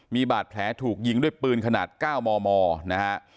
มีบาดแผลถูกยิงด้วยปืนขนาด๙มมนะฮะ